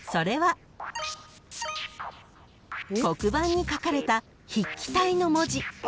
［黒板に書かれた筆記体の文字］